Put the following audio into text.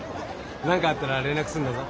何かあったら連絡するんだぞ。